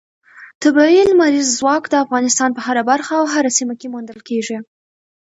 طبیعي لمریز ځواک د افغانستان په هره برخه او هره سیمه کې موندل کېږي.